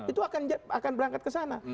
itu akan berangkat ke sana